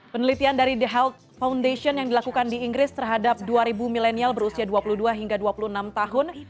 penelitian dari the health foundation yang dilakukan di inggris terhadap dua ribu milenial berusia dua puluh dua hingga dua puluh enam tahun